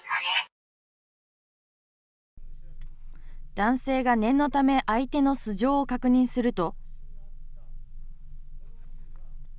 男性が念のため相手の素性を確認すると。